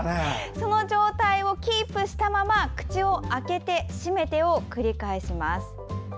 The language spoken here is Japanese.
その状態をキープしたまま口を開けて、閉めてを繰り返します。